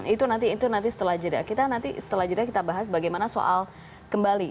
itu nanti itu nanti setelah jeda kita nanti setelah jeda kita bahas bagaimana soal kembali